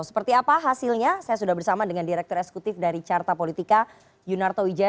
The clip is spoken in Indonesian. seperti apa hasilnya saya sudah bersama dengan direktur eksekutif dari carta politika yunarto wijaya